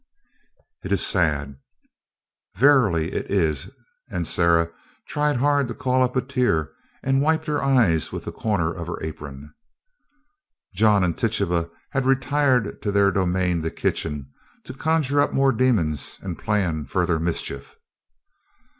"It is sad." "Verily, it is," and Sarah tried hard to call up a tear, and wiped her eyes with the corner of her apron. John and Tituba had retired to their domain, the kitchen, to conjure up more demons and plan further mischief.